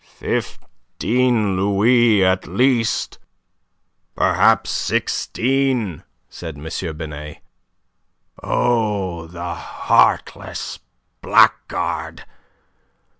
"Fifteen louis at least perhaps sixteen!" said M. Binet. "Oh, the heartless blackguard!